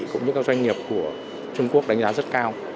cũng như các doanh nghiệp của trung quốc đánh giá rất cao